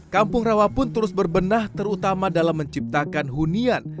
kampung rawa pun terus berbenah terutama dalam menciptakan hunian